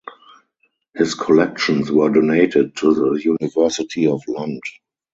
His collections were donated to the University of Lund.